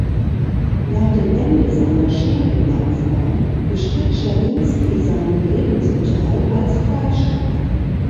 Nach dem Ende seiner Schullaufbahn bestritt Czerwinski seinen Lebensunterhalt als Fleischer.